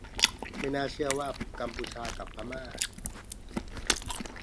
ไม่น่าเชื่อว่า กัมพูชา กับพม่า